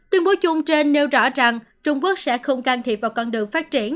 tuyên bố chung trên nêu rõ rằng trung quốc sẽ không can thiệp vào con đường phát triển